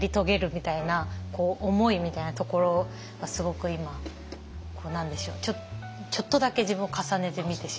みたいな思いみたいなところはすごく今何でしょうちょっとだけ自分を重ねて見てしまいました。